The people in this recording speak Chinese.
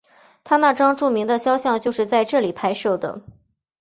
他那张著名的肖像就是在这里拍摄的。